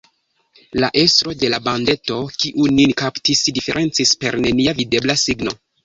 La estro de la bandeto, kiu nin kaptis, diferencis per nenia videbla signo.